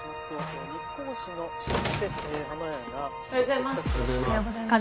・おはようございます。